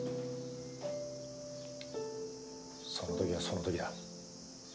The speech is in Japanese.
その時はその時だ。